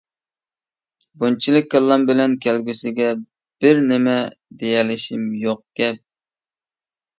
بۇنچىلىك كاللام بىلەن كەلگۈسىگە بىر نېمە دېيەلىشىم يوق گەپ.